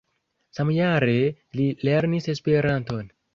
Samjare li lernis Esperanton.